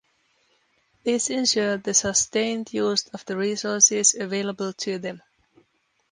This ensured the sustained use of the resources available to them.